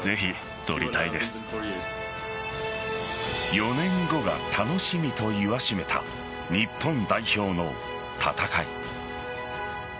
４年後が楽しみと言わしめた日本代表の戦い。